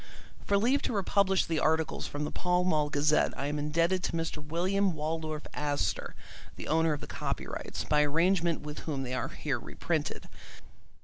For leave to republish the articles from the Pall Mall Gazette I am indebted to Mr. William Waldorf Astor, the owner of the copyrights, by arrangement with whom they are here reprinted.